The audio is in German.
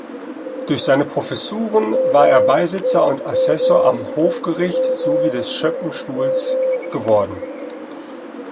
Durch seine Professuren war er Beisitzer und Assessor am Hofgericht sowie des Schöppenstuhls geworden.